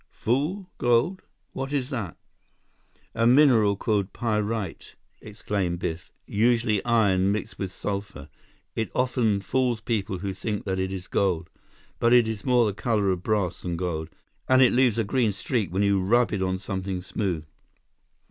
"Fool gold? What is that?" "A mineral called pyrite," exclaimed Biff, "usually iron, mixed with sulphur. It often fools people who think that it is gold. But it is more the color of brass than gold, and it leaves a green streak when you rub it on something smooth."